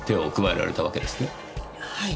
はい。